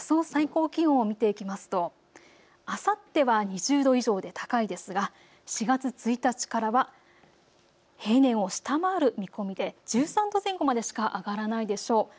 最高気温を見ていきますとあさっては２０度以上高いですが、４月１日からは平年を下回る見込みで１３度前後までしか上がらないでしょう。